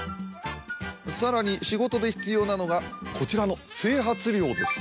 さらに仕事で必要なのがこちらの整髪料です。